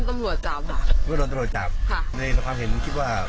มันล้มนะครับเพราะพ่อเขา